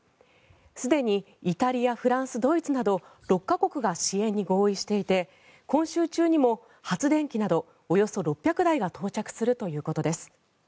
すでにイタリア、フランス、ドイツなど６か国が支援に合意していて今週中にも発電機などおよそ６００台が到着するということです。